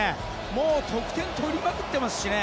もう得点を取りまくってますし。